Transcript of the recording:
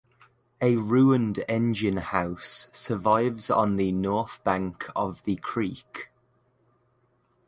A ruined engine house survives on the north bank of the creek.